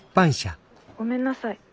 ごめんなさい。